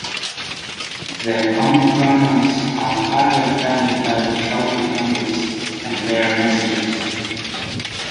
The Omicronians are highly offended by the chalky candies and their messages.